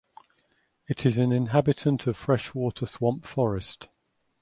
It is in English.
It is an inhabitant of freshwater swamp forest.